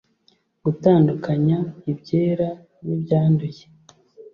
gutandukanya ibyera nibyanduye